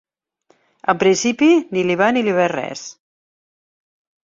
En principi, ni li va ni li ve res.